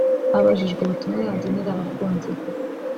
Abajijwe ubutumwa yagenera abakunzi be